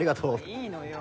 いいのよ。